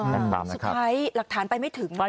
สุดท้ายหลักฐานไปไม่ถึงนะครับ